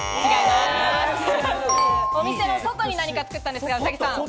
お店の外に何か作ったんですが。